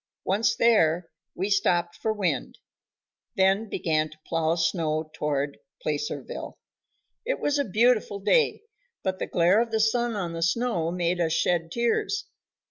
Once there, we stopped for wind, then began to plow snow toward Placerville. It was a beautiful day, but the glare of the sun on the snow made us shed tears.